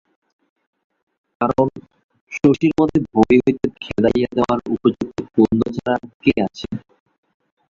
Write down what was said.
কারণ, শশীর মতে বড়ি হইতে খেদাইয়া দেওয়ার উপযুক্ত কুন্দ ছাড়া আর কে আছে?